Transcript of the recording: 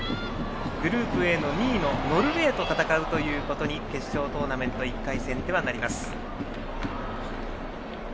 グループＡで２位のノルウェーと戦うことに決勝トーナメント１回戦ではなります。